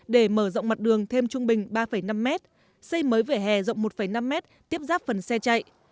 để mở rộng mặt đường thêm trung bình ba năm mét xây mới vỉa hè rộng một năm mét tiếp giáp phần xe chạy